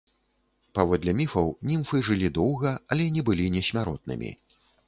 Паводле міфаў німфы жылі доўга, але не былі несмяротнымі.